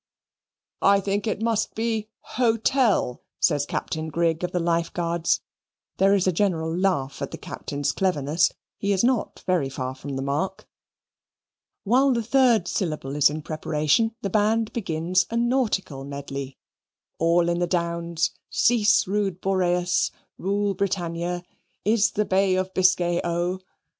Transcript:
"I think it must be 'Hotel,'" says Captain Grigg of the Life Guards; there is a general laugh at the Captain's cleverness. He is not very far from the mark. While the third syllable is in preparation, the band begins a nautical medley "All in the Downs," "Cease Rude Boreas," "Rule Britannia," "In the Bay of Biscay O!"